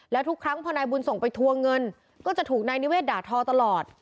แล้วทุกครั้งพอนายบุญส่งไปทวงเงินก็จะถูกนายนิเศษด่าทอตลอด